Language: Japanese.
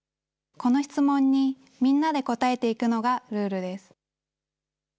この質問にみんなで答えていくのがルールです。